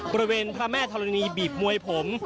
บริเวณพระแม่ธรณีบีบมวยผม